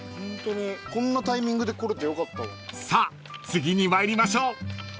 ［さあ次に参りましょう］